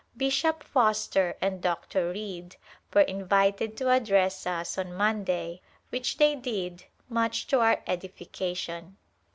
Bishop Foster and Dr. Reid were invited to address us on Monday which they did much to our edification.